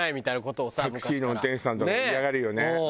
タクシーの運転手さんとか嫌がるよね。